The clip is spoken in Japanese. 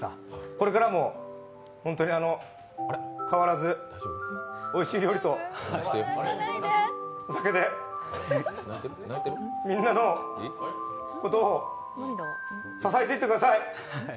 これからも、本当に変わらずおいしい料理とお酒でみんなのことを支えていってください。